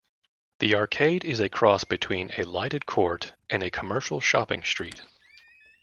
The Arcade is a cross between a lighted court and a commercial shopping street.